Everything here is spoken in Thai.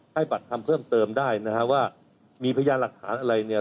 บัตรคำเพิ่มเติมได้นะฮะว่ามีพยานหลักฐานอะไรเนี่ย